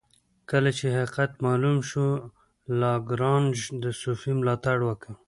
کله چې حقیقت معلوم شو لاګرانژ د صوفي ملاتړ وکړ.